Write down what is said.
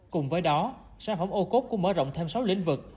cùng với đó sản phẩm ô cốt cũng mở rộng thêm sáu lĩnh vực